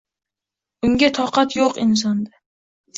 Unga toqat yo’q insonda